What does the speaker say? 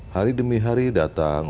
hari demi hari datang